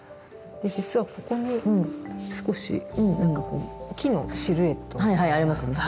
で実はここに少しなんかこう木のシルエットが。はいはいありますね。